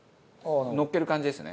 のっける感じですね。